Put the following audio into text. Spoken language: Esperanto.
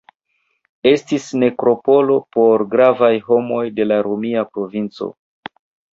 Estis nekropolo por gravaj homoj de la romia provinco.